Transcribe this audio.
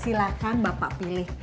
silahkan bapak pilih